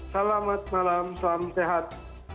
selamat malam salam sehat